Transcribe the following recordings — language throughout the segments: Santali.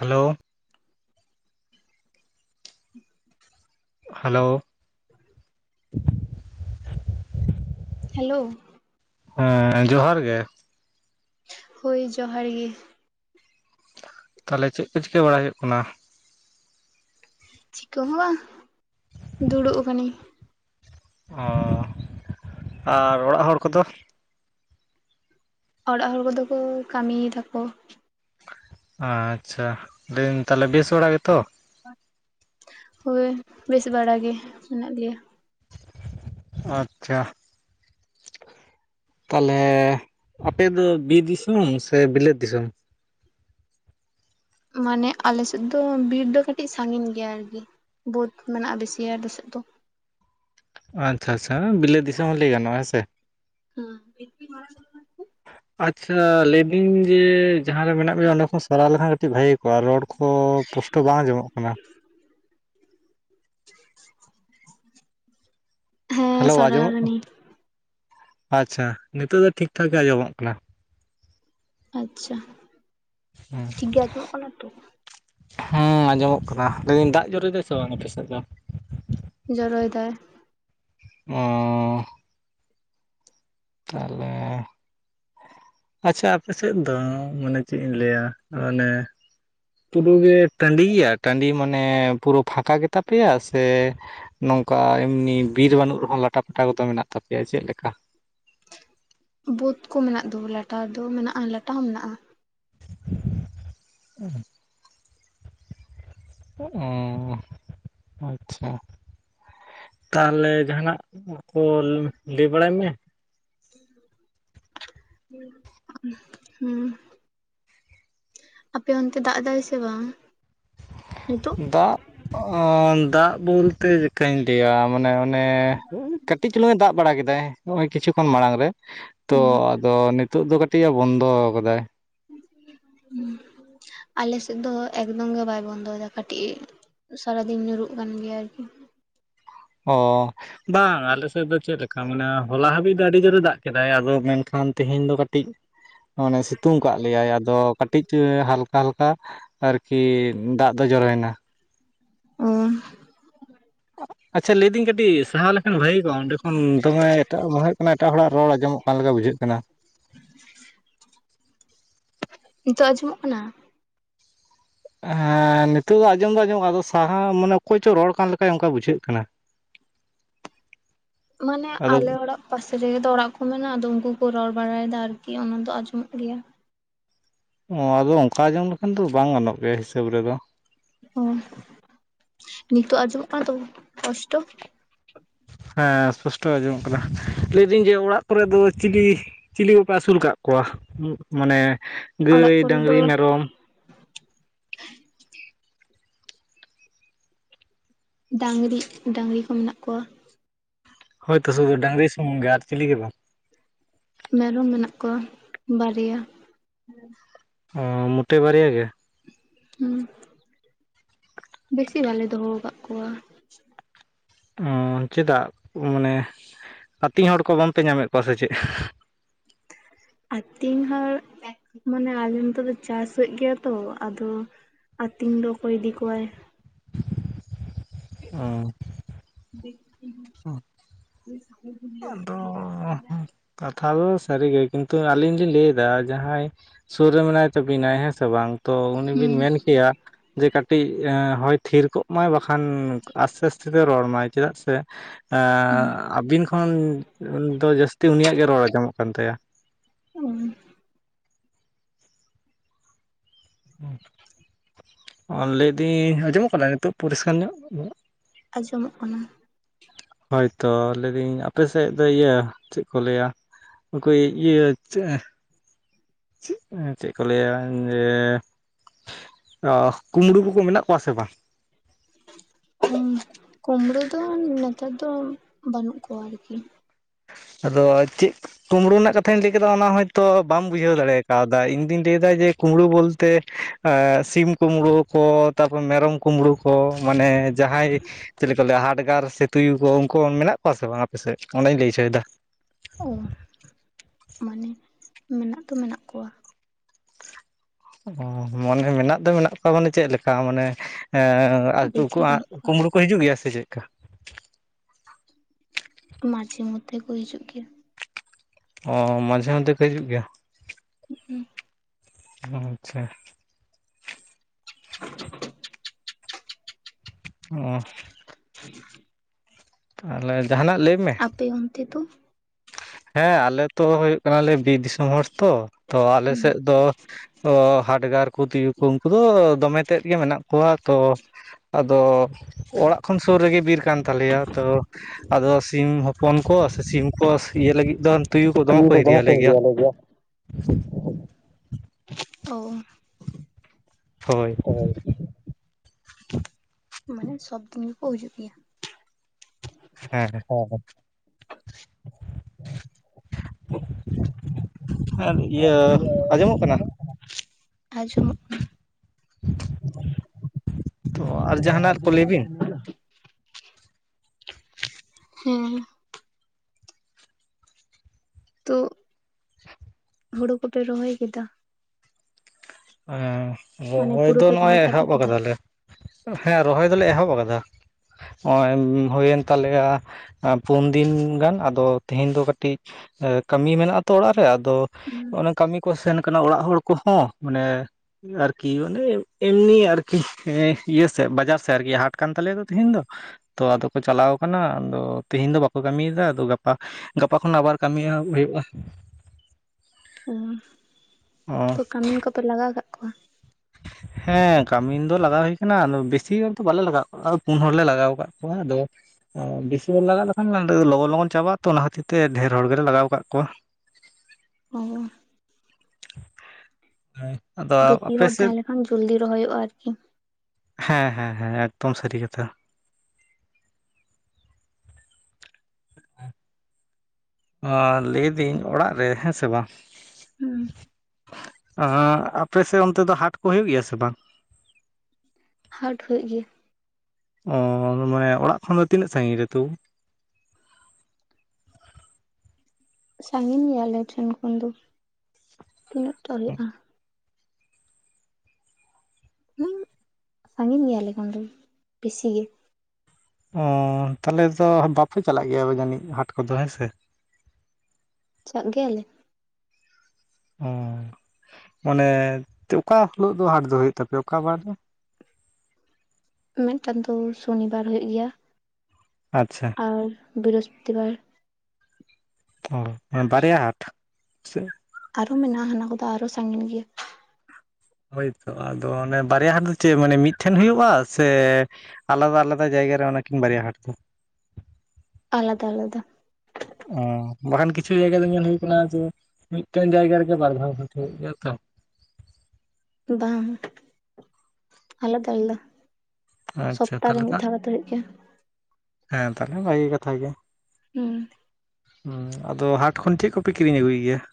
ᱦᱮᱞᱳ᱾ ᱦᱮᱞᱳ᱾ ᱦᱮᱞᱳ ᱦᱮᱸ ᱡᱚᱦᱟᱨ ᱜᱮ᱾ ᱦᱳᱭᱸ ᱡᱚᱦᱟᱨ ᱜᱮᱹ᱾ ᱛᱟᱦᱟᱞᱮ ᱪᱮᱫ ᱠᱚ ᱪᱤᱠᱟᱹ ᱵᱟᱲᱟᱭ ᱦᱳᱭᱳᱜ ᱠᱟᱱᱟ? ᱪᱤᱠᱟᱹ ᱦᱚᱸ ᱵᱟᱝ, ᱫᱩᱲᱩᱵ ᱟᱠᱟᱱᱟᱹᱧ᱾ ᱚ ᱟᱨ ᱚᱲᱟᱜ ᱦᱚᱲ ᱠᱚᱫᱚ? ᱚᱲᱟᱸᱜ ᱦᱚᱲ ᱠᱚᱫᱚ ᱠᱚ ᱠᱟᱹᱢᱤᱭ ᱫᱟᱠᱚ᱾ ᱟᱪᱪᱷᱟ ᱞᱮᱭᱧ ᱛᱟᱦᱟᱞᱮ ᱵᱮᱥ ᱚᱲᱟᱜ ᱜᱮᱛᱚ? ᱦᱳᱭ ᱵᱮᱥ ᱵᱟᱲᱟ ᱜᱮ ᱢᱮᱱᱟᱹᱜ ᱞᱮᱭᱟ᱾ ᱟᱪᱪᱷᱟ᱾ ᱛᱟᱦᱟᱞᱮ ᱟᱹᱯᱮᱫᱚ ᱵᱤᱨ ᱫᱤᱥᱚᱢ ᱥᱮ ᱵᱤᱞᱟᱹᱛ ᱫᱤᱥᱚᱢ? ᱢᱟᱹᱱᱮ ᱟᱸᱞᱮᱥᱮᱫ ᱫᱚ ᱵᱤᱨ ᱫᱚ ᱠᱟᱹᱴᱤᱡ ᱥᱟᱺᱜᱤᱧ ᱜᱮᱭᱟᱹ ᱟᱨᱠᱤ᱾ ᱵᱩᱫ ᱢᱮᱱᱟᱜᱼᱟ ᱵᱮᱥᱤ ᱟᱸᱞᱮᱥᱮᱫ ᱫᱚ᱾ ᱟᱪᱪᱷᱟ ᱟᱪᱪᱷᱟ ᱵᱤᱞᱟᱹᱛ ᱫᱤᱥᱚᱢ ᱦᱚᱸ ᱞᱮᱭ ᱜᱟᱱᱚᱜ-ᱟ ᱦᱮᱸ ᱥᱮ᱾ ᱟᱪᱪᱷᱟ ᱞᱮᱭᱫᱤᱧ ᱡᱮ ᱡᱟᱦᱟᱸ ᱨᱮ ᱢᱮᱱᱟᱜ ᱢᱮᱭᱟ ᱚᱱᱟ ᱠᱷᱚᱱ ᱥᱟᱨᱟᱣ ᱞᱮᱹᱠᱷᱟᱱ ᱠᱟᱹᱴᱤᱡ ᱵᱷᱟᱜᱤ ᱟᱠᱣᱟᱜ ᱨᱚᱲ ᱠᱚ ᱯᱩᱥᱴᱚᱣ ᱵᱟᱝ ᱟᱸᱡᱚᱢᱚᱹᱜ ᱠᱟᱱᱟ᱾ [unintelligible] ᱦᱮᱸ ᱦᱮᱞᱳ ᱥᱟᱲᱟᱣ ᱟᱸᱡᱚᱢᱚᱜ ᱠᱟᱱᱟ? ᱠᱟᱹᱱᱟᱹᱧ ᱟᱪᱪᱷᱟ ᱱᱤᱛᱚᱜ ᱫᱚ ᱴᱷᱤᱠ ᱴᱷᱟᱠ ᱜᱮ ᱟᱸᱡᱚᱢᱚᱜ ᱠᱟᱱᱟ᱾ ᱟᱪᱪᱷᱟ ᱴᱷᱤᱠ ᱜᱮ ᱟᱸᱡᱚᱢᱚᱜ ᱠᱟᱱᱟ ᱛᱚ? ᱦᱮᱸ ᱟᱸᱡᱚᱢᱚᱜ ᱠᱟᱱᱟ᱾ ᱞᱟᱹᱭᱤᱧ ᱫᱟᱜ ᱡᱚᱨᱚᱭᱫᱟ ᱥᱮ ᱵᱟᱝ ᱟᱯᱮ ᱥᱮᱫ ᱫᱚ? ᱡᱚᱨᱚᱭᱮᱫᱟᱭ᱾ ᱚᱸᱻ ᱛᱟᱦᱞᱮᱻ ᱟᱪᱪᱷᱟ ᱟᱯᱮᱥᱮᱫ ᱫᱚ ᱢᱟᱱᱮ ᱪᱮᱫ ᱤᱧ ᱞᱟᱹᱭᱟ ᱚᱱᱮ᱾ ᱯᱩᱨᱩ ᱜᱮ ᱴᱟᱺᱰᱤ ᱜᱮᱭᱟ ᱴᱟᱺᱰᱤ ᱢᱟᱱᱮ ᱯᱩᱨᱟᱹ ᱯᱷᱟᱸᱠᱟ ᱜᱮᱛᱟ ᱯᱮᱭᱟ ᱥᱮ ᱱᱚᱝᱠᱟ ᱮᱢᱱᱤ ᱵᱤᱨ ᱵᱟᱹᱱᱩᱜ ᱨᱮᱦᱚᱸ ᱞᱟᱴᱟ ᱯᱟᱴᱟ ᱠᱚᱫᱚ ᱢᱮᱱᱟᱹᱜ ᱛᱟᱯᱮᱭᱟ ᱪᱮᱫ ᱞᱮᱠᱟ? ᱵᱟᱹᱫᱽ ᱠᱚ ᱢᱮᱱᱟᱜ ᱫᱚ ᱞᱟᱴᱟ ᱫᱚ ᱢᱮᱱᱟᱜᱼᱟ ᱞᱟᱴᱟ ᱦᱚᱸ ᱢᱮᱱᱟᱜᱼᱟ᱾ [unintelligible] ᱚ ᱚᱸ ᱟᱪᱪᱷᱟ᱾ ᱛᱟᱦᱞᱮ ᱡᱟᱦᱟᱸᱱᱟᱜ ᱠᱚ ᱞᱟᱹᱭ ᱵᱟᱲᱟᱭ ᱢᱮ᱾ [unintelligible] ᱦᱩᱸ᱾ ᱟᱯᱮ ᱚᱱᱛᱮ ᱫᱟᱜ ᱫᱟᱭ ᱥᱮ ᱵᱟᱝ ᱱᱤᱛᱚᱜ? ᱫᱟᱜ ᱟᱻ ᱫᱟᱜ ᱵᱚᱞᱛᱮ ᱪᱤᱠᱟᱹᱧ ᱞᱟᱹᱭᱟ ᱢᱟᱱᱮ᱾ ᱢᱟᱱᱮ ᱠᱟᱹᱴᱤᱡ ᱪᱩᱞᱩᱝ ᱮ ᱫᱟᱜ ᱵᱟᱲᱟ ᱠᱮᱫᱟᱭ ᱱᱚᱜᱼᱚᱭ ᱠᱤᱪᱷᱩ ᱠᱷᱚᱱ ᱢᱟᱲᱟᱝ ᱨᱮ ᱛᱚ᱾ ᱦᱩᱸ ᱟᱫᱚ ᱱᱤᱛᱳᱜ ᱫᱚ ᱠᱟᱹᱴᱤᱡ ᱮ ᱵᱚᱱᱫᱚ ᱠᱟᱫᱟᱭ᱾ ᱟᱞᱮ ᱥᱮᱫ ᱫᱚ ᱮᱠᱫᱚᱢ ᱜᱮ ᱵᱟᱭ ᱵᱚᱱᱫᱚᱭᱫᱟ ᱠᱟᱹᱴᱤᱡ ᱥᱟᱨᱟᱫᱤᱱ ᱧᱩᱨᱩ ᱠᱟᱱ ᱜᱮᱭᱟ ᱟᱨᱠᱤ᱾ ᱚ, ᱵᱟᱝ ᱟᱞᱮ ᱥᱮᱫ ᱫᱚ ᱪᱮᱫ ᱞᱮᱠᱟ ᱢᱟᱱᱮ ᱦᱚᱞᱟ ᱦᱟᱹᱵᱤᱡ ᱫᱚ ᱟᱹᱰᱤ ᱡᱳᱨᱮ ᱫᱟᱜ ᱠᱮᱫᱟᱭ ᱟᱫᱚ ᱢᱮᱱᱠᱷᱟᱱ ᱛᱮᱦᱮᱧ ᱫᱚ ᱠᱟᱹᱴᱤᱡ ᱚᱱᱮ ᱥᱤᱛᱩᱝ ᱠᱟᱜ ᱞᱮᱭᱟᱭ ᱟᱫᱚ ᱠᱟᱹᱴᱤᱡ ᱦᱟᱞᱠᱟ ᱦᱟᱞᱠᱟ᱾ ᱟᱨᱠᱤ ᱫᱟᱜ ᱫᱚ ᱡᱚᱨᱚᱭᱮᱱᱟ᱾ [unintelligible] ᱟᱪᱪᱷᱟ ᱞᱟᱹᱭ ᱫᱤᱧ ᱠᱟᱹ ᱟᱹᱰᱤ ᱥᱟᱦᱟ ᱞᱮᱠᱷᱟᱱ ᱵᱷᱟᱜᱮ ᱠᱚᱜᱼᱟ ᱚᱸᱰᱮ ᱠᱷᱚᱱ ᱫᱚᱢᱮ ᱮᱴᱟᱜ ᱢᱚᱱᱮ ᱦᱩᱭᱩᱜ ᱠᱟᱱᱟ ᱮᱴᱟᱜ ᱦᱚᱲᱟᱜ ᱨᱚᱲ ᱟᱸᱡᱚᱢᱚᱜ ᱠᱟᱱ ᱞᱮᱠᱟ ᱵᱩᱡᱷᱟᱹᱜ ᱠᱟᱱᱟ᱾ [unintelligible] ᱱᱤᱛᱳᱜ ᱟᱸᱡᱚᱢᱚᱜ ᱠᱟᱱᱟ᱾ ᱦᱮᱸᱻ ᱱᱤᱛᱚᱜ ᱫᱚ ᱟᱸᱡᱚᱢ ᱫᱚ ᱟᱸᱡᱚᱢᱚᱼᱟ ᱟᱫᱚ ᱥᱟᱦᱟ ᱢᱟᱱᱮ ᱚᱠᱚᱭ ᱪᱚ ᱨᱚᱲ ᱠᱟᱱ ᱞᱮᱠᱟᱭ ᱚᱱᱠᱟ ᱵᱩᱡᱷᱟᱹᱜ ᱠᱟᱱᱟ᱾ [inaudible] ᱢᱟᱱᱮ ᱟᱫᱚ ᱟᱞᱮ ᱚᱲᱟᱜ᱾ ᱯᱟᱥᱮ ᱨᱮᱜᱮ ᱫᱚ ᱚᱲᱟᱜ ᱠᱚ ᱢᱮᱱᱟᱜᱼᱟ, ᱟᱫᱚ ᱩᱱᱠᱩ ᱠᱚ ᱨᱚᱲ ᱵᱟᱲᱟᱭᱮᱫᱟ ᱟᱨᱠᱤ ᱚᱱᱟᱫᱚ ᱟᱸᱡᱚᱢᱚᱜ ᱜᱮᱭᱟ᱾ ᱱᱚᱣᱟ ᱫᱚ ᱚᱱᱠᱟ ᱟᱸᱡᱚᱢ ᱞᱮᱠᱷᱟᱱ ᱫᱚ ᱵᱟᱝ ᱜᱟᱱᱚᱜ ᱜᱮᱭᱟ ᱦᱤᱥᱟᱹᱵᱽ ᱨᱮᱫᱚ᱾ ᱚ, ᱱᱤᱛᱚᱜ ᱟᱸᱡᱚᱢᱚᱜ ᱠᱟᱱᱟ ᱛᱚ ᱯᱚᱥᱴᱚ᱾ ᱦᱮᱸ ᱥᱯᱚᱥᱴᱚ ᱟᱸᱡᱚᱢᱚᱜ ᱠᱟᱱᱟ᱾ ᱞᱟᱹᱭᱫᱟᱹᱧ ᱡᱮ ᱚᱲᱟᱜ ᱠᱚᱨᱮ ᱫᱚ ᱪᱤᱞᱤ? ᱪᱤᱞᱤ ᱠᱚᱯᱮ ᱟᱹᱥᱩᱞ ᱟᱠᱟᱫ ᱠᱚᱣᱟ ᱢᱟᱱᱮ ᱚᱲᱟᱜ ᱜᱟᱹᱭ, ᱠᱚᱨᱮ ᱫᱚ ᱰᱟᱝᱨᱤ, ᱢᱮᱨᱚᱢ? ᱰᱟᱝᱨᱤ ᱰᱟᱝᱨᱤ ᱠᱚ ᱢᱮᱱᱟᱜ ᱠᱚᱣᱟ᱾ ᱦᱳᱭ ᱛᱚ ᱥᱩᱫᱩ ᱰᱟᱝᱨᱤ ᱥᱩᱢᱩᱝ ᱜᱮ ᱟᱨ ᱪᱤᱞᱤ ᱜᱮ ᱵᱟᱝ? ᱢᱮᱨᱚᱢ ᱢᱮᱱᱟᱜ ᱠᱚᱣᱟ ᱵᱟᱨᱭᱟ ᱾ ᱚᱻ ᱢᱳᱴᱮ ᱵᱟᱨᱭᱟ ᱜᱮ? ᱦᱩᱸ ᱵᱮᱥᱤ ᱵᱟᱞᱮ ᱫᱚᱦᱚᱠᱟᱜ ᱠᱚᱣᱟ᱾ ᱩᱸᱻ ᱪᱮᱫᱟᱜ ᱢᱟᱱᱮ ᱟᱹᱛᱤᱧ ᱦᱚᱲ ᱠᱚ ᱵᱟᱝᱯᱮ ᱧᱟᱢᱮᱫ ᱠᱚᱣᱟ ᱥᱮ ᱪᱮᱫ? [inaudible] ᱟᱹᱛᱤᱧ ᱦᱚᱲ ᱢᱟᱱᱮ ᱟᱞᱮ ᱱᱚᱛᱮ ᱫᱚ ᱪᱟᱥ ᱦᱩᱭᱩᱜ ᱜᱮᱭᱟ ᱛᱚ ᱟᱫᱚ, ᱟᱛᱤᱧ ᱫᱚ ᱚᱠᱚᱭ ᱤᱫᱤ ᱠᱚᱣᱟᱭ? ᱦᱩᱸ ᱯᱤᱠ ᱦᱩᱸᱱ [unintelligible] ᱠᱟᱛᱷᱟ ᱫᱚ ᱥᱟᱨᱤ ᱜᱮ ᱠᱤᱱᱛᱩ ᱟᱹᱞᱤᱧ ᱞᱤᱧ ᱞᱟᱹᱭ ᱫᱟ ᱡᱟᱦᱟᱸᱭ ᱥᱳᱨ ᱨᱮ ᱢᱮᱱᱟᱭ ᱛᱟᱵᱤᱱᱟᱭ ᱦᱮᱸ ᱥᱮ ᱵᱟᱝ? ᱛᱚ ᱩᱱᱤ ᱵᱤᱱ ᱦᱩᱸ ᱢᱮᱱ ᱠᱮᱭᱟ ᱡᱮ ᱠᱟᱴᱤᱡ ᱦᱚᱭ ᱛᱷᱤᱨ ᱠᱚᱜ, ᱢᱟᱭ ᱵᱟᱠᱷᱟᱱ ᱟᱥᱛᱮ ᱟᱥᱛᱮ ᱛᱮᱭ ᱨᱚᱲ ᱢᱟᱭ ᱪᱮᱫᱟᱜ ᱥᱮ ᱮᱸ ᱟᱵᱤᱱ ᱦᱩᱸ ᱫᱚ ᱡᱟᱹᱥᱛᱤ ᱩᱱᱤᱭᱟᱜ ᱜᱮ ᱨᱚᱲ ᱟᱸᱡᱚᱢᱚᱜ ᱠᱟᱱ ᱛᱟᱭᱟ ᱾ ᱩᱸ ᱚ ᱞᱟᱹᱭ ᱫᱤᱧ ᱟᱸᱡᱚᱢᱚᱜ ᱠᱟᱱᱟ ᱱᱤᱛᱚᱜ ᱯᱚᱨᱤᱥᱠᱟᱨ ᱧᱚᱜ? ᱟᱸᱡᱚᱢᱚᱜ ᱠᱟᱱᱟ ᱾ ᱦᱳᱭ ᱛᱚ ᱞᱟᱹᱭᱫᱤᱧ ᱟᱯᱮ ᱥᱮᱫ ᱫᱚ ᱤᱭᱟᱹ ᱪᱮᱫ ᱠᱚ ᱞᱟᱹᱭᱟ? ᱩᱱᱠᱩ ᱤᱡ ᱤᱭᱟᱹ ᱪᱟ, ᱮᱸᱪᱮᱫ ᱠᱚ ᱞᱟᱹᱭᱟ ᱮᱱᱡᱮ? ᱚᱸ ᱠᱩᱢᱲᱩ ᱠᱚ ᱠᱚ ᱢᱮᱱᱟᱜ ᱠᱚᱣᱟ ᱥᱮ ᱵᱟᱝ ᱠᱩᱢᱲᱳ ᱫᱚ ᱱᱮᱛᱟᱨ ᱫᱚ ᱵᱟᱹᱱᱩᱜ ᱠᱚᱣᱟ ᱟᱨᱠᱤ, ᱟᱫᱚ ᱪᱮᱫ? ᱠᱳᱢᱲᱳ ᱨᱮᱱᱟᱜ ᱠᱟᱛᱷᱟᱧ ᱞᱟᱹᱭ ᱠᱮᱫᱟ ᱚᱱᱟ ᱦᱚᱭᱛᱳ ᱵᱟᱢ ᱵᱩᱡᱷᱟᱹᱣ ᱫᱟᱲᱮ ᱠᱟᱣᱫᱟ ᱤᱧ ᱫᱩᱧ ᱞᱮᱹᱭᱫᱟ ᱡᱮ ᱠᱩᱢᱲᱩ ᱵᱚᱞᱛᱮ? ᱮᱸᱻᱻ ᱥᱤᱢ ᱠᱩᱢᱲᱳ ᱠᱚ ᱛᱟᱯᱚᱨᱮ ᱢᱮᱨᱚᱢ ᱠᱳᱢᱲᱳ ᱠᱚ ᱢᱟᱱᱮ, ᱡᱟᱦᱟᱸᱭ ᱪᱮᱞᱮ ᱠᱚ ᱞᱟᱹᱭᱟ ᱦᱟᱴᱜᱟᱨ ᱥᱮ ᱛᱩᱭᱩ ᱠᱚ ᱩᱱᱠᱩ ᱢᱮᱱᱟᱜ ᱠᱚᱣᱟ ᱥᱮ ᱵᱟᱝ ᱟᱯᱮᱥᱮᱫ ᱚᱱᱟᱧ ᱞᱟᱹᱭ ᱚᱪᱚᱭᱮᱫᱟ ᱚᱹ ᱢᱟᱱᱮ ᱢᱮᱱᱟᱜ ᱫᱚ ᱢᱮᱱᱟᱜ ᱠᱚᱣᱟ, ᱚᱸᱻᱻ ᱢᱟᱱᱮ ᱢᱮᱱᱟᱜ ᱫᱚ ᱢᱮᱱᱟᱜ ᱠᱚᱣᱟ ᱢᱟᱱᱮ ᱪᱮᱫ ᱞᱮᱠᱟ ᱢᱟᱱᱮ ᱟᱛᱩ ᱠᱚ ᱵᱮᱥᱤ ᱟᱸᱜ ᱵᱟᱹᱱᱩᱜ ᱠᱚᱣᱟ ᱠᱩᱢᱲᱩ? ᱠᱚ ᱦᱤᱡᱩᱜ ᱜᱮᱭᱟ ᱥᱮ ᱪᱮᱫᱠᱟ? ᱢᱟᱸᱡᱷᱤ ᱢᱚᱫᱽᱷᱮ ᱠᱚ ᱦᱤᱡᱩᱜ ᱜᱮᱭᱟ ᱾ ᱚᱸ ᱢᱟᱡᱷᱮ ᱢᱚᱫᱽᱷᱮ ᱠᱚ ᱦᱤᱡᱩᱜ ᱜᱮᱭᱟ? ᱦᱩᱸ ᱚ ᱟᱪᱪᱷᱟ [inaudible] ᱚ [inaudible] ᱛᱟᱦᱞᱮ ᱡᱟᱦᱟᱱᱟᱜ ᱞᱟᱹᱭ ᱢᱮ, ᱛᱮ ᱛᱚ ᱦᱮᱸ ᱟᱞᱮ ᱛᱚ ᱦᱩᱭᱩᱜ ᱠᱟᱱᱟᱞᱮ ᱵᱤᱨ ᱫᱤᱥᱚᱢ ᱦᱚᱲ ᱛᱚ ᱛᱚ ᱟᱞᱮ ᱥᱮᱫ ᱦᱩᱸ ᱫᱚ, ᱦᱟᱸᱰᱜᱟᱨ ᱠᱚ ᱛᱤᱭᱩ ᱠᱚ ᱩᱱᱠᱩ ᱫᱚ ᱫᱚᱢᱮ ᱛᱮᱫ ᱜᱮ ᱢᱮᱱᱟᱜ ᱠᱚᱣᱟ ᱛᱚ, ᱟᱫᱚ, ᱚᱲᱟᱜ ᱠᱷᱚᱱ ᱥᱩᱨ ᱨᱮᱜᱮ ᱵᱤᱨ ᱠᱟᱱ ᱛᱟᱞᱮᱭᱟ ᱛᱚ ᱟᱫᱚ ᱥᱤᱢ ᱦᱚᱯᱚᱱ ᱠᱚ ᱥᱮ ᱥᱤᱢ, ᱠᱚ ᱤᱭᱟᱹ ᱞᱟᱹᱜᱤᱫ ᱫᱚ ᱛᱩᱭᱩ ᱠᱚ ᱫᱚᱢᱮ ᱠᱚ ᱦᱤᱨᱤ ᱟᱞᱮ ᱜᱮᱭᱟ, ᱚ ᱦᱳᱭ ᱚᱭ ᱢᱟᱱᱮ ᱥᱚᱵ ᱫᱤᱱ ᱜᱮᱠᱚ ᱦᱩᱡᱩᱜ ᱜᱮᱭᱟ ᱦᱮᱸ ᱦᱮᱸ ᱟᱨ ᱤᱭᱟᱹ ᱟᱸᱡᱚᱢᱚᱜ ᱠᱟᱱᱟ, ᱟᱸᱡᱚᱢᱚᱜ ᱢᱟ ᱛᱚ ᱟᱨ ᱚ ᱠᱚ ᱞᱟᱹᱭ ᱡᱟᱦᱟᱱᱟᱜ ᱵᱤᱱ ᱠᱚᱢ ᱞᱟᱹᱭᱟ, ᱦᱮᱸ ᱛᱚ ᱦᱩᱲᱩ ᱠᱚᱯᱮ ᱨᱚᱦᱚᱭ ᱠᱮᱫᱟ ᱦᱮᱸ ᱢᱟᱱᱮ ᱨᱚᱦᱚᱭ ᱯᱩᱨᱟᱹ ᱫᱚ ᱯᱮ ᱱᱚᱜᱼᱚᱭ ᱨᱚᱦᱚᱭ ᱪᱟᱵᱟ ᱮᱦᱚᱵ ᱠᱮᱫᱟ ᱟᱠᱟᱫᱟᱞᱮ ᱦᱮᱸ ᱨᱚᱦᱚᱭ ᱫᱚᱞᱮ ᱮᱦᱚᱵ ᱟᱠᱟᱫᱟ᱾ ᱱᱚᱜᱼᱚᱭ ᱦᱩᱭᱮᱱ ᱛᱟᱞᱮᱭᱟ ᱯᱩᱱ ᱫᱤᱱ ᱜᱟᱱ ᱟᱫᱚ ᱛᱮᱦᱮᱧ ᱫᱚ ᱠᱟᱹᱴᱤᱡ ᱠᱟᱹᱢᱤ ᱢᱮᱱᱟᱜ-ᱟ ᱛᱚ ᱚᱲᱟᱜ ᱨᱮ ᱟᱫᱚ ᱦᱩᱸ ᱚᱱᱮ ᱠᱟᱹᱢᱤ ᱠᱚ ᱥᱮᱱ ᱠᱟᱱᱟ ᱚᱲᱟᱜ ᱦᱚᱲ ᱠᱚᱦᱚᱸ, ᱢᱟᱱᱮ ᱟᱹᱨᱠᱤ ᱢᱟᱱᱮ ᱮᱢᱱᱤ ᱟᱹᱨᱠᱤ ᱤᱭᱟᱹ ᱥᱮᱫ ᱵᱟᱡᱟᱨ ᱥᱮᱫ ᱟᱹᱨᱠᱤ ᱦᱟᱴ ᱠᱟᱱ ᱛᱟᱞᱮᱭᱟ ᱫᱚ ᱛᱤᱦᱤᱧ ᱫᱚ᱾ ᱛᱚ ᱟᱫᱚ ᱠᱚ ᱪᱟᱞᱟᱣ ᱟᱠᱟᱱᱟ ᱟᱫᱚ ᱛᱮᱦᱤᱧ ᱫᱚ ᱵᱟᱠᱚ ᱠᱟᱹᱢᱤᱭᱮᱫᱟ ᱟᱫᱚ ᱜᱟᱯᱟ᱾ ᱜᱟᱯᱟ ᱠᱷᱚᱱ ᱟᱵᱟᱨ ᱠᱟᱹᱢᱤ ᱮᱦᱚᱵ ᱦᱩᱭᱩᱜᱼᱟ᱾ ᱚᱻ ᱚ ᱠᱟᱹᱢᱤᱱ ᱠᱚᱯᱮ ᱞᱟᱜᱟᱣ ᱟᱠᱟᱫ ᱠᱚᱣᱟ ᱦᱮᱸ ᱠᱟᱹᱢᱤᱱ ᱫᱚ ᱞᱟᱜᱟᱣ ᱦᱩᱭ ᱠᱟᱱᱟ ᱟᱫᱚ ᱵᱮᱥᱤ ᱦᱚᱲ ᱫᱚ ᱵᱟᱞᱮ ᱞᱟᱜᱟᱣ ᱠᱚᱣᱟ ᱯᱩᱱ ᱦᱚᱲᱞᱮ ᱞᱟᱜᱟᱣ ᱟᱠᱟᱫ ᱠᱚᱣᱟ᱾ ᱟᱫᱚ ᱵᱮᱥᱤ ᱦᱚᱲ ᱞᱟᱜᱟᱜ ᱞᱮᱠᱷᱟᱱ ᱞᱚᱜᱚᱱ ᱞᱚᱜᱚᱱ ᱪᱟᱵᱟᱜᱼᱟ ᱛᱚ ᱚᱱᱟ ᱠᱷᱟᱹᱛᱤᱨ ᱛᱮ ᱰᱷᱮᱨ ᱦᱚᱲᱞᱮ ᱞᱟᱜᱟᱣ ᱠᱟᱜ ᱠᱚᱣᱟ᱾ ᱚ ᱦᱮᱸ ᱵᱮᱥᱤ ᱦᱚᱲ ᱛᱟᱦᱮᱸ ᱞᱮᱠᱷᱟᱱ ᱡᱚᱞᱫᱤ ᱨᱚᱦᱚᱭᱚᱜᱼᱟ ᱟᱹᱨᱠᱤ ᱾ ᱦᱮᱸ ᱦᱮᱸ ᱦᱮᱸ ᱮᱠᱫᱚᱢ ᱥᱟᱹᱨᱤ ᱠᱟᱛᱷᱟ᱾ ᱟᱨ ᱞᱟᱹᱭᱫᱟᱹᱧ ᱚᱲᱟᱜ ᱨᱮ ᱦᱮᱸ ᱥᱮ ᱵᱟᱝ ᱦᱩᱸ, ᱟᱯᱮ ᱥᱮᱫ ᱚᱱᱛᱮ ᱫᱚ ᱦᱟᱴ ᱠᱚ ᱦᱩᱭᱩᱜ ᱜᱮᱭᱟ ᱥᱮ ᱵᱟᱝ ᱦᱟᱴ ᱦᱩᱭᱩᱜ ᱜᱮᱭᱟ᱾ ᱚᱻ ᱢᱟᱱᱮ ᱚᱲᱟᱜ ᱠᱷᱚᱱ ᱫᱚ ᱛᱤᱱᱟᱹᱜ ᱥᱟᱺᱜᱤᱧ ᱨᱮ ᱛᱩᱵᱩ ᱥᱟᱺᱜᱤᱧ ᱜᱮᱭᱟ ᱟᱞᱮ ᱴᱷᱮᱱ ᱠᱷᱚᱱ ᱫᱚ, ᱛᱤᱱᱟᱹᱜ ᱴᱟ ᱦᱩᱭᱩᱜ-ᱟ ᱢᱟᱱᱮ ᱥᱟᱺᱜᱤᱧ ᱜᱮᱭᱟ ᱟᱞᱮ ᱠᱷᱚᱱ ᱫᱚ ᱵᱮᱥᱤ ᱜᱮ᱾ ᱚ ᱛᱟᱦᱚᱞᱮ ᱛᱚ ᱵᱟᱯᱮ ᱪᱟᱞᱟᱜ ᱜᱮᱭᱟ ᱡᱟᱹᱱᱤᱡ ᱦᱟᱴ ᱠᱚᱫᱚ ᱦᱮᱸᱥᱮ᱾ ᱪᱟᱜ ᱜᱮᱭᱟᱞᱮ᱾ ᱚ ᱢᱟᱱᱮ ᱚᱠᱟ ᱦᱤᱞᱳ ᱫᱚ ᱦᱟᱴ ᱫᱚ ᱦᱩᱭᱩᱜ ᱛᱟᱯᱮᱭᱟ ᱚᱠᱟ ᱵᱟᱨ ᱫᱚ ᱢᱮᱫᱴᱟᱝ ᱫᱚ ᱥᱚᱱᱤᱵᱟᱨ ᱦᱩᱭᱩᱜ ᱜᱮᱭᱟ᱾ ᱟᱪᱪᱷᱟ ᱟᱨ ᱵᱨᱤᱦᱚᱥᱯᱚᱛᱤᱵᱟᱨ᱾ ᱚ ᱵᱟᱨᱭᱟ ᱦᱟᱴ ᱥᱮ ᱟᱨᱚ ᱢᱮᱱᱟᱜ-ᱟ ᱦᱟᱱᱟ ᱠᱚᱫᱚ ᱟᱨᱚ ᱥᱟᱺᱜᱤᱧ ᱜᱮᱭᱟ᱾ ᱦᱳᱭᱛᱳ ᱟᱫᱚ ᱚᱱᱮ ᱵᱟᱨᱭᱟ ᱦᱟᱴ ᱫᱚ ᱪᱮᱫ ᱢᱟᱱᱮ ᱢᱤᱫᱴᱷᱮᱱ ᱦᱩᱭᱩᱜᱼᱟ ᱥᱮ ᱟᱞᱟᱫᱟ ᱟᱞᱟᱫᱟ ᱡᱟᱭᱜᱟ ᱨᱮ ᱚᱱᱟᱠᱤᱱ ᱵᱟᱨᱭᱟ ᱦᱟᱴ ᱫᱚ ᱾ ᱟᱞᱟᱫᱟ ᱟᱞᱟᱫᱟ ᱾ ᱚ ᱵᱟᱠᱷᱟᱱ ᱠᱤᱪᱷᱩ ᱡᱟᱭᱜᱟ ᱫᱚ ᱧᱮᱞ ᱦᱳᱭ ᱠᱟᱱᱟ ᱡᱮ ᱢᱤᱫᱴᱮᱱ ᱡᱟᱭᱜᱟ ᱨᱮᱜᱮ ᱵᱟᱨ ᱫᱷᱟᱣ ᱦᱟᱴ ᱦᱩᱭᱩᱜ ᱜᱮᱭᱟ ᱛᱚ ᱾ ᱵᱟᱝ, ᱟᱞᱟᱫᱟ ᱟᱞᱟᱫᱟ ᱾ ᱟᱪᱪᱷᱟ ᱥᱚᱯᱛᱟ ᱨᱮ ᱛᱟᱦᱚᱞᱮ ᱢᱤᱫ ᱠᱷᱟᱱ ᱫᱷᱟᱣ ᱠᱟᱛᱮᱜ ᱦᱩᱭᱩᱜ ᱜᱮᱭᱟ ᱾ ᱦᱮᱸ ᱛᱟᱞᱦᱮ ᱵᱷᱟᱹᱜᱤ ᱠᱟᱛᱷᱟ ᱜᱮ ᱾ ᱦᱩᱸ ᱾ ᱦᱩᱸ ᱟᱫᱚ ᱦᱟᱴ ᱠᱷᱚᱱ ᱪᱮᱫ ᱠᱚᱯᱮ ᱠᱤᱨᱤᱧ ᱟᱹᱜᱩᱭ ᱜᱮᱭᱟ ᱾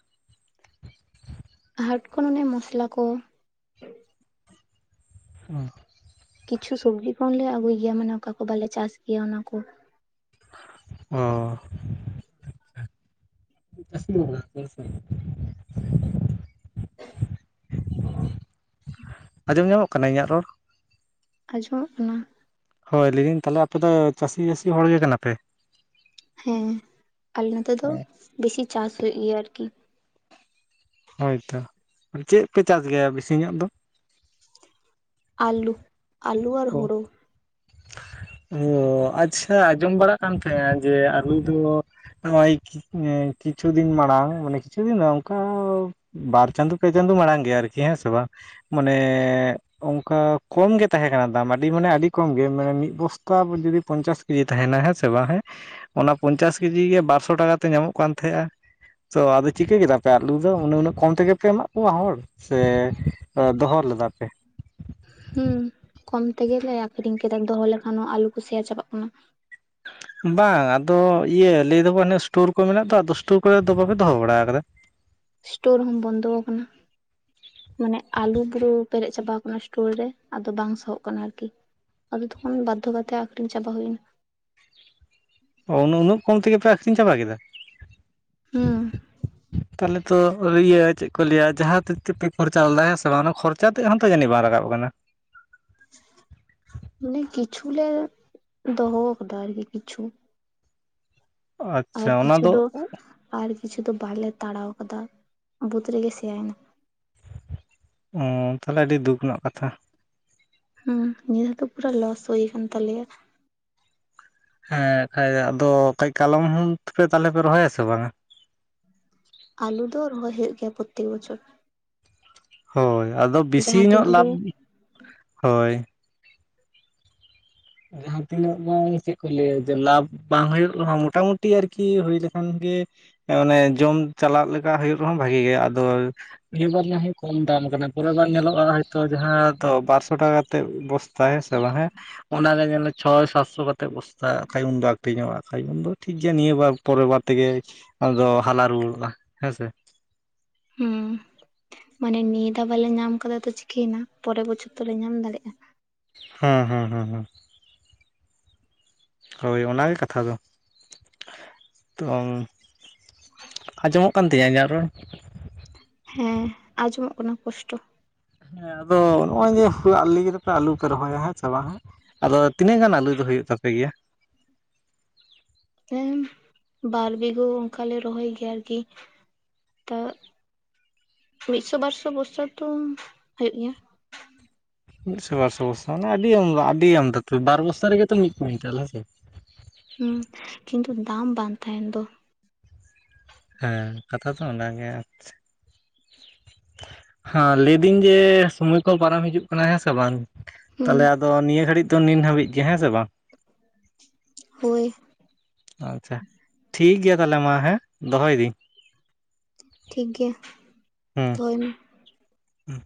ᱦᱟᱴ ᱠᱷᱚᱱ ᱚᱱᱮ ᱢᱚᱥᱞᱟ ᱠᱚ ᱾ ᱦᱩᱸ ᱠᱤᱪᱷᱩ ᱥᱚᱵᱽᱡᱤ ᱠᱷᱚᱱᱞᱮ ᱟᱜᱩᱭ ᱜᱮᱭᱟ ᱢᱟᱱᱮ ᱚᱠᱟ ᱠᱚ ᱵᱟᱞᱮ ᱪᱟᱥ ᱜᱮᱭᱟ ᱚᱱᱟ ᱠᱚ ᱾ ᱚ [unintelligible] ᱟᱸᱡᱚᱢ ᱧᱟᱢᱚᱜ ᱠᱟᱱᱟ ᱤᱧᱟᱹᱜ ᱨᱚᱲ ᱾ ᱟᱸᱡᱚᱢᱚᱜ ᱠᱟᱱᱟ ᱾ ᱦᱳᱭ ᱞᱟᱹᱭᱫᱟᱹᱧ ᱛᱟᱦᱚᱸᱞᱮ ᱟᱯᱮ ᱫᱚ ᱪᱟᱹᱥᱤ ᱟᱹᱥᱤ ᱦᱚᱲ ᱜᱮ ᱠᱟᱱᱟ ᱯᱮ? ᱦᱮᱸ, ᱟᱞᱮ ᱱᱚᱛᱮ ᱫᱚ ᱵᱮᱥᱤ ᱪᱟᱥ ᱦᱩᱭᱩᱜ ᱜᱮᱭᱟ ᱟᱹᱨᱠᱤ ᱾ ᱦᱳᱭ ᱛᱚ, ᱪᱮᱜ ᱯᱮ ᱪᱟᱥ ᱜᱮᱭᱟ ᱵᱮᱥᱤ ᱧᱚᱜ ᱫᱚ? ᱟᱞᱩ, ᱟᱞᱩ ᱟᱨ ᱦᱳᱲᱳ ᱾ ᱚᱻ ᱟᱪᱪᱷᱟ ᱟᱸᱡᱚᱢ ᱵᱟᱲᱟᱜ ᱠᱟᱱ ᱛᱟᱦᱮᱸᱡ ᱡᱮ ᱟᱹᱞᱩ ᱫᱚ ᱱᱚᱜ-ᱚᱭ, ᱮ ᱠᱤᱪᱷᱩ ᱫᱤᱱ ᱢᱟᱲᱟᱝ ᱢᱟᱱᱮ ᱠᱤᱪᱷᱩ ᱫᱤᱱ ᱫᱚ ᱵᱟᱝ ᱚᱱᱠᱟ ᱵᱟᱨ ᱪᱟᱸᱫᱳ ᱯᱮ ᱪᱟᱸᱫᱚ ᱢᱟᱲᱟᱝ ᱜᱮᱭᱟ ᱟᱹᱨᱠᱤ ᱦᱮᱸ ᱥᱮ ᱵᱟᱝ? ᱢᱟᱱᱮᱻ ᱚᱝᱠᱟ ᱠᱚᱢ ᱜᱮ ᱛᱟᱦᱮᱸ ᱠᱟᱱᱟ ᱫᱟᱢ ᱟᱹᱰᱤ ᱢᱟᱱᱮ ᱟᱹᱰᱤ ᱠᱚᱢ ᱜᱮ ᱢᱟᱱᱮ ᱢᱤᱫ ᱵᱚᱥᱛᱟ ᱡᱩᱫᱤ ᱯᱚᱸᱧᱪᱟᱹᱥ ᱠᱮᱡᱤ ᱛᱟᱦᱮᱸᱱᱟ ᱦᱮᱸ ᱥᱮ ᱵᱟᱝ ᱦᱮᱸ? ᱚᱱᱟ ᱯᱚᱸᱧᱪᱟᱹᱥ ᱠᱮᱡᱤ ᱜᱮ ᱵᱟᱨᱥᱚ ᱴᱟᱠᱟ ᱛᱮ ᱧᱟᱢᱚᱜ ᱠᱟᱱ ᱛᱟᱦᱮᱸᱡ-ᱟ ᱾ ᱛᱚ ᱟᱫᱚ ᱪᱤᱠᱟᱹ ᱠᱮᱫᱟ ᱯᱮ ᱟᱞᱩ ᱫᱚ, ᱩᱱᱟᱹᱜ ᱩᱱᱟᱹᱜ ᱠᱚᱢ ᱛᱮᱜᱮ ᱯᱮ ᱮᱢᱟᱜ ᱠᱚᱣᱟ ᱦᱚᱲ? ᱥᱮ ᱮᱸ ᱫᱚ ᱦᱚᱸ ᱞᱮᱫᱟ ᱯᱮ? ᱦᱩᱸ ᱠᱚᱢ ᱛᱮᱜᱮᱞᱮ ᱟᱹᱠᱷᱨᱤᱧ ᱠᱮᱫᱟ᱾ ᱫᱚᱦᱚᱸ ᱞᱮᱠᱷᱟᱱ ᱦᱚᱸ ᱟᱞᱩ ᱠᱚ ᱥᱮᱭᱟ ᱪᱟᱵᱟᱜ ᱠᱟᱱᱟ ᱾ ᱵᱟᱝ ᱟᱫᱚ ᱤᱭᱟᱹ ᱞᱟᱹᱭ ᱫᱚᱠᱚ ᱚᱱᱮ ᱥᱴᱳᱨ ᱠᱚ ᱢᱮᱱᱟᱜ ᱫᱚ ᱟᱫᱚ ᱥᱴᱳᱨ ᱠᱚᱨᱮ ᱫᱚ ᱵᱟᱯᱮ ᱫᱚᱦᱚ ᱵᱟᱲᱟ ᱠᱟᱫᱟ? ᱥᱴᱳᱨ ᱦᱚᱢ ᱵᱚᱱᱫᱚ ᱠᱟᱱᱟ, ᱢᱟᱱᱮ ᱟᱞᱩ ᱜᱨᱚ ᱯᱮᱨᱮᱡ ᱪᱟᱵᱟ ᱠᱟᱱᱟ ᱥᱴᱳᱨ ᱨᱮ, ᱟᱫᱚ ᱵᱟᱝ ᱥᱟᱦᱚᱵ ᱠᱟᱱᱟ ᱟᱹᱨᱠᱤ ᱾ ᱟᱫᱚ ᱛᱚᱠᱷᱚᱱ ᱵᱟᱫᱷᱚ ᱠᱟᱛᱮ ᱟᱹᱠᱷᱨᱤᱧ ᱪᱟᱵᱟ ᱦᱩᱭᱱᱟ ᱾ ᱚ ᱩᱱᱟᱹᱜ ᱩᱱᱟᱹᱜ ᱠᱚᱢ ᱛᱮᱜᱮ ᱯᱮ ᱟᱹᱠᱷᱨᱤᱧ ᱪᱟᱵᱟ ᱠᱮᱫᱟ? ᱦᱩᱸ ᱾ ᱛᱟᱦᱚᱸᱞᱮ ᱛᱚ ᱤᱭᱟᱹ ᱪᱮᱜ ᱠᱚ ᱞᱟᱹᱭᱟ ᱡᱟᱦᱟᱸ ᱛᱤᱨ ᱛᱤ ᱯᱮᱠ ᱠᱷᱚᱨᱪᱟ ᱞᱮᱫᱟ ᱦᱮᱸ ᱥᱮ ᱵᱟᱝ ᱠᱷᱚᱨ ᱪᱟ ᱛᱮᱫ ᱦᱚᱸᱛᱚ ᱡᱟᱹᱱᱤᱡ ᱵᱟᱝ ᱨᱟᱠᱟᱵ ᱟᱠᱟᱱᱟ? ᱢᱟᱱᱮ ᱠᱤᱪᱷᱩ ᱞᱮ ᱫᱚᱦᱚᱸ ᱠᱟᱫᱟ ᱟᱹᱨᱠᱤ ᱠᱤᱪᱷᱩ ᱾ ᱟᱪᱪᱷᱟ ᱟᱨ ᱚᱱᱟ ᱠᱤᱪᱷᱩ ᱫᱚ, ᱟᱨ ᱠᱤᱪᱷᱩ ᱫᱚ ᱵᱟᱞᱮ ᱛᱟᱲᱟᱣ ᱠᱟᱫᱟ, ᱵᱟᱹᱫᱽ ᱨᱮᱜᱮ ᱥᱮᱭᱟᱭ ᱱᱟ ᱾ ᱚᱻ ᱛᱟᱦᱚᱸᱞᱮ ᱟᱹᱰᱤ ᱫᱩᱠ ᱨᱮᱱᱟᱜ ᱠᱟᱛᱷᱟ ᱾ ᱦᱩᱸ ᱱᱮᱥ ᱫᱚ ᱯᱩᱨᱟ ᱞᱚᱥ ᱦᱩᱭ ᱠᱟᱱ ᱛᱟᱞᱮᱭᱟ ᱾ ᱦᱮᱸ ᱠᱟᱭᱟᱡ ᱫᱚ ᱠᱟᱡ ᱠᱟᱞᱚᱢ ᱦᱚᱢ ᱛᱟᱞᱮᱯᱮ ᱨᱚᱦᱚᱭᱟ ᱥᱮ ᱵᱟᱝ-ᱟ? ᱟᱞᱩ ᱫᱚ ᱨᱚᱦᱚᱭ ᱦᱳᱭᱳᱜ ᱜᱮᱭᱟ ᱯᱨᱚᱛᱮᱠ ᱵᱚᱪᱷᱚᱨ ᱾ ᱦᱳᱭ ᱟᱫᱚ ᱵᱮᱥᱤ ᱡᱟᱦᱟᱸ ᱧᱚᱜ ᱛᱤᱱᱟᱹᱜ ᱜᱮ ᱞᱟᱵᱷ, ᱦᱳᱭ ᱾ ᱡᱟᱦᱟᱸ ᱛᱤᱱᱟᱹᱜ ᱵᱟᱝ ᱪᱮᱜ ᱠᱚ ᱞᱟᱹᱭᱟ ᱡᱮ ᱞᱟᱵᱷ ᱵᱟᱝ ᱦᱩᱭᱩᱜ ᱨᱮ ᱦᱚᱸ ᱢᱚᱴᱟᱢᱩᱴᱤ ᱟᱹᱨᱠᱤ ᱦᱩᱭ ᱞᱮᱠᱷᱟᱱ ᱜᱮ ᱮᱸ ᱚᱱᱮ ᱡᱚᱢ ᱪᱟᱞᱟᱜ ᱞᱮᱠᱟ ᱦᱳᱭᱳᱜ ᱨᱮᱦᱚᱸ ᱵᱷᱟᱜᱤ ᱜᱮ ᱟᱫᱚ ᱱᱤᱭᱟᱹ ᱵᱟᱨ ᱡᱟᱦᱟᱸ ᱠᱚᱢ ᱫᱟᱢ ᱠᱟᱱᱟ, ᱯᱚᱨᱮ ᱵᱟᱨ ᱧᱮᱞᱚᱜ-ᱟ ᱦᱚᱭ ᱛᱚ ᱡᱟᱦᱟᱸ ᱫᱚ ᱵᱟᱨᱥᱚ ᱴᱟᱠᱟ ᱛᱮ ᱵᱚᱥ ᱛᱟ ᱦᱮᱸ ᱥᱮ ᱵᱟᱝ ᱦᱮᱸ? ᱚᱱᱟ ᱜᱮ ᱧᱮᱞ ᱢᱮ ᱪᱷᱚᱭ ᱥᱟᱛᱥᱚ ᱠᱟᱛᱮᱜ ᱵᱚᱥᱛᱟ ᱠᱷᱟᱡ ᱩᱱᱫᱚ ᱟᱴᱤᱧ ᱧᱚᱜ-ᱟ ᱠᱷᱟᱡ ᱩᱱᱫᱚ ᱴᱷᱤᱠ ᱜᱮᱭᱟ ᱱᱤᱭᱟᱹ ᱵᱟᱨ ᱾ ᱯᱚᱨᱮᱨ ᱵᱟᱨ ᱛᱮᱜᱮ, ᱟᱫᱚ ᱦᱟᱞᱟ ᱨᱩᱭᱟᱹᱲᱜ-ᱟ ᱦᱮᱸ ᱥᱮ᱾ ᱦᱩᱸ ᱢᱟᱱᱮ ᱱᱤᱭᱟᱹ ᱫᱷᱟᱣ ᱵᱟᱞᱮ ᱧᱟᱢ ᱠᱟᱫᱟ ᱛᱚ ᱪᱤᱠᱟᱹᱭ ᱱᱟ, ᱯᱚᱨᱮᱨ ᱵᱚᱪᱷᱚᱨ ᱫᱚᱞᱮ ᱧᱟᱢ ᱫᱟᱲᱮᱜ-ᱟ᱾ ᱦᱮᱸ ᱦᱮᱸ ᱦᱮᱸ ᱦᱮᱸ᱾ ᱦᱳᱭ ᱚᱱᱟᱜᱮ ᱠᱟᱛᱷᱟ ᱫᱚ᱾ ᱛᱚ ᱟᱸᱡᱚᱢᱚᱜ ᱠᱟᱱ ᱛᱤᱧᱟᱹ ᱤᱧᱟᱹᱜ ᱨᱚᱲ? ᱦᱮᱸ ᱟᱸᱡᱚᱢᱚᱜ ᱠᱟᱱᱟ ᱯᱚᱥᱴᱚ᱾ ᱦᱮᱸ ᱟᱫᱚ ᱱᱚᱜ-ᱚᱭ ᱡᱮ ᱦᱚᱞᱟ ᱟᱞᱤᱧ ᱨᱮᱯᱮ ᱟᱞᱩ ᱯᱮ ᱨᱚᱦᱚᱭᱟ ᱦᱮᱸ ᱪᱮ ᱵᱟ ᱦᱮᱸ᱾ ᱟᱫᱚ ᱛᱤᱱᱟᱹᱜ ᱜᱟᱱ ᱟᱹᱞᱩ ᱫᱚ ᱦᱩᱭᱩᱜ ᱛᱟᱯᱮ ᱜᱮᱭᱟ? ᱦᱮᱸ, ᱵᱟᱨ ᱵᱤᱜᱷᱳ ᱚᱱᱠᱟ ᱞᱮ ᱨᱚᱸᱦᱚᱭ ᱜᱮᱭᱟ ᱟᱨᱠᱤ᱾ ᱛᱚᱜ ᱢᱤᱫᱥᱚ ᱵᱟᱨᱥᱚ ᱵᱚᱥᱛᱟ ᱛᱚᱢ ᱦᱩᱭᱩᱜ ᱜᱮᱭᱟ᱾ ᱢᱤᱫᱥᱚ ᱵᱟᱨᱥᱚ ᱵᱚᱥᱛᱟ ᱢᱟᱱᱮ ᱟᱹᱰᱤ ᱟᱢᱫᱟ ᱟᱹᱰᱤ ᱟᱢᱫᱟ ᱛᱚ ᱵᱟᱨ ᱵᱚᱥᱛᱟ ᱨᱮᱜᱮ ᱛᱚ ᱢᱤᱫ ᱠᱩᱭᱮᱱᱴᱟᱞ ᱦᱮᱸᱥᱮ᱾ ᱦᱩᱸ, ᱠᱤᱱᱛᱩ ᱫᱟᱢ ᱵᱟᱝ ᱛᱟᱦᱮᱱ ᱫᱚ᱾ ᱦᱮᱸ, ᱠᱟᱛᱷᱟ ᱛᱚ ᱚᱱᱟ ᱜᱮ ᱾ᱟᱪᱷ ᱦᱮᱸ, ᱞᱟᱹᱭᱫᱟᱹᱧ ᱡᱮ, ᱥᱚᱢᱚᱭ ᱠᱚ ᱯᱟᱨᱚᱢ ᱦᱤᱡᱩᱜ ᱠᱟᱱᱟ ᱦᱮᱸᱥᱮ ᱵᱟᱝ? ᱦᱩᱸ ᱛᱟᱦᱚᱞᱮ ᱟᱫᱚ ᱱᱤᱭᱟᱹ ᱜᱷᱟᱹᱲᱤᱡ ᱫᱚ ᱱᱤᱱ ᱦᱟᱹᱵᱤᱡ ᱜᱮ ᱦᱮᱸ ᱥᱮ ᱵᱟᱝ? ᱦᱳᱭ᱾ ᱟᱪᱪᱷᱟ ᱾ ᱴᱷᱤᱠ ᱜᱮᱭᱟ ᱛᱟᱦᱚᱞᱮ ᱢᱟ᱾ ᱦᱮᱸ, ᱫᱚᱦᱚᱭ ᱫᱤᱧ᱾ ᱴᱷᱤᱠ ᱜᱮᱭᱟ, ᱫᱚᱦᱚᱭ ᱢᱮ᱾ ᱚᱜ [inaudible]